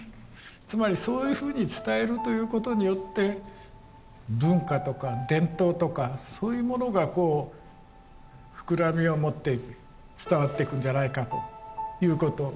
つまりそういうふうに伝えるということによって文化とか伝統とかそういうものがこう膨らみを持って伝わっていくんじゃないかということ。